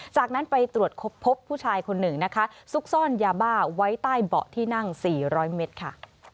จากนั้นไปตรวจพบผู้ชายคนหนึ่งนะคะซุกซ่อนยาบ้าไว้ใต้เบาะที่นั่ง๔๐๐เมตรค่ะ